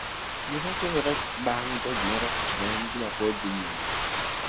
Gima timore bang' ka gimoro otimore, en gima pod dhi nyime kuom kinde.